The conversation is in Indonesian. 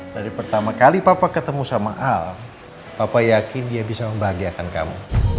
dari pertama kali papa ketemu sama al papa yakin dia bisa membahagiakan kamu